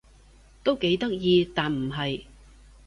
都幾得意但唔係